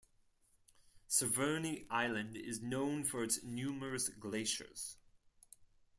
Severny Island is known for its numerous glaciers.